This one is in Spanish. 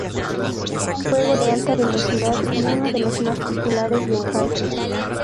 Era un juego de alta velocidad, y uno de los más populares del parque.